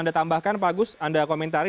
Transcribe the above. anda tambahkan pak agus anda komentari